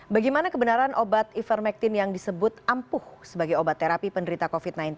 bagaimana kebenaran obat ivermectin yang disebut ampuh sebagai obat terapi penderita covid sembilan belas